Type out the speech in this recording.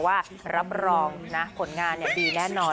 ว่ารับรองนะผลงานดีแน่นอน